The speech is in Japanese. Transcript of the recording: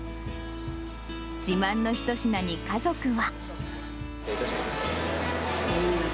自慢の一品に家族は。